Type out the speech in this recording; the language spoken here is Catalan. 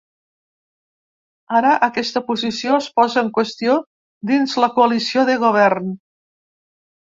Ara aquesta posició es posa en qüestió dins la coalició de govern.